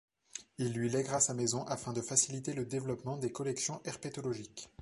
Il lui léguera sa maison afin de faciliter le développement des collections herpétologiques.